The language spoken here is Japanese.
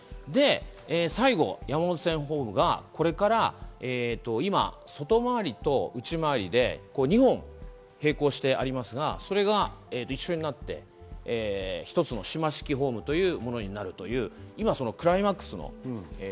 最後、山手線ホームがこれから今、外回りと内回りで２本並行してありますが、それが一緒になって、一つの島式ホームというものになります。